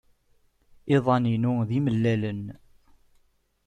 Iḍan-inu d imellalen.